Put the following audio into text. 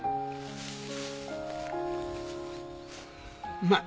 うまい。